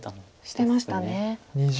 してましたね。